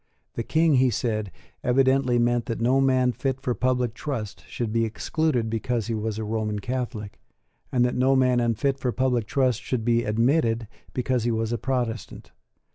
The King, he said, evidently meant that no man fit for public trust should be excluded because he was a Roman Catholic, and that no man unfit for public trust should be admitted because he was a Protestant.